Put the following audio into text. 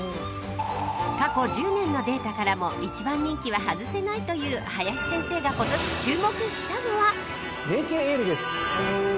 ［過去１０年のデータからも１番人気は外せないという林先生が今年注目したのは］メイケイエールです！